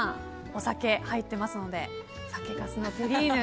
お酒入っていますので酒かすのテリーヌ。